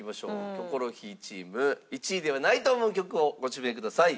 キョコロヒーチーム１位ではないと思う曲をご指名ください。